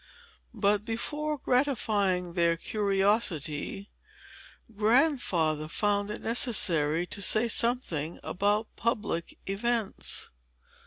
But, before gratifying their curiosity, Grandfather found it necessary to say something about public events.